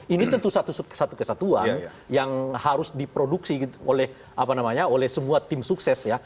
ini tentu satu kesatuan yang harus diproduksi oleh semua tim sukses ya